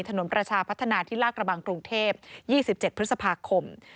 ถนนประชาพัฒนาที่ลากระบังกรุงเทพ๒๗พฤษภาคม